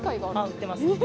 売ってます。